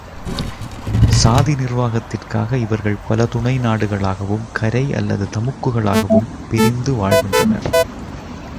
சாதி நிர்வாகத்திற்காக இவர்கள் பலதுணை நாடுகளாகவும் கரை அல்லது தமுக்குகளாகவும் பிரிந்து வாழ்கின்றனர்.